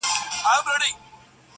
رمې به پنډي وي او ږغ به د شپېلیو راځي!!